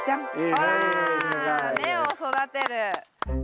ほら根を育てる。